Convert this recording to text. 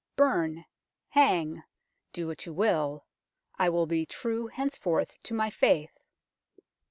Burn ^hang do what you will I will be true henceforth to my faith."